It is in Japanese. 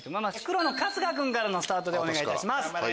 黒の春日君からのスタートでお願いいたします。